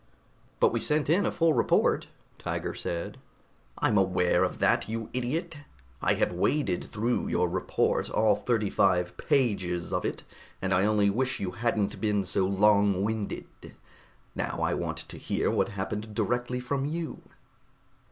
"But we sent in a full report," Tiger said. "I'm aware of that, you idiot. I have waded through your report, all thirty five pages of it, and I only wish you hadn't been so long winded. Now I want to hear what happened directly from you.